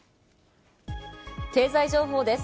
経済情報です。